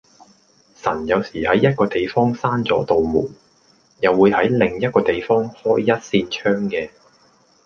神有時喺一個地方閂左度門，又會喺另一個地方開一扇窗嘅